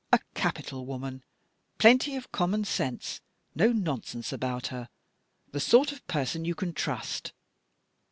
A capital woman. Plenty of com mon sense — no nonsense about her. The sort of person you can trust."